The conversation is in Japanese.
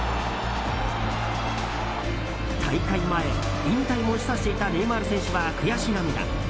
大会前、引退も示唆していたネイマール選手は悔し涙。